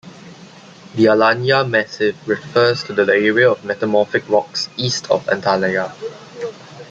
The Alanya Massif refers to the area of metamorphic rocks east of Antalya.